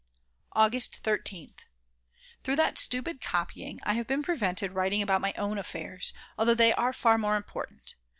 August 13th. Through that stupid copying I have been prevented writing about my own affairs, although they are far more important.